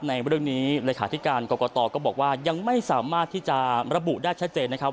ในเรื่องนี้เลขาธิการกรกตก็บอกว่ายังไม่สามารถที่จะระบุได้ชัดเจนนะครับ